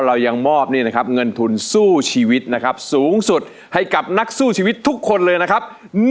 เรายังมอบนี่นะครับเงินทุนสู้ชีวิตนะครับสูงสุดให้กับนักสู้ชีวิตทุกคนเลยนะครับ